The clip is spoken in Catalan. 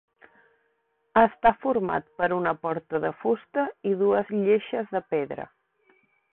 Està format per una porta de fusta i dues lleixes de pedra.